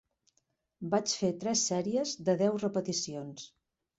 Vaig fer tres sèries de deu repeticions.